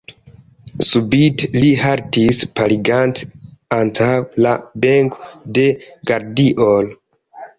Subite li haltis paliĝante antaŭ la benko de Gardiol.